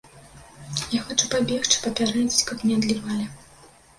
Я хачу пабегчы, папярэдзіць, каб не адлівалі.